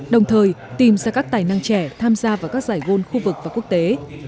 đồng thời tìm ra các tài năng trẻ tham gia vào các giải gôn khu vực và quốc tế